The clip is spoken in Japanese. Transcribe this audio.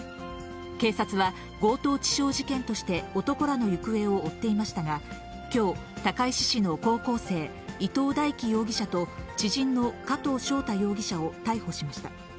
警察は、強盗致傷事件として男らの行方を追っていましたが、きょう、高石市の高校生、伊藤大稀容疑者と、知人の加藤将太容疑者を逮捕しました。